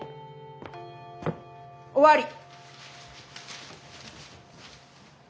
終わり！